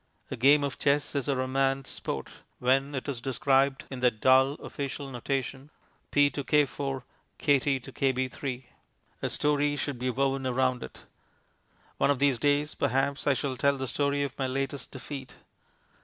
A game of chess is a romance sport when it is described in that dull official notation "P to K4 Kt to KB3"; a story should be woven around it. One of these days, perhaps, I shall tell the story of my latest defeat.